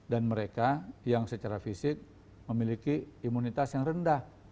dan mereka yang secara fisik memiliki imunitas yang rendah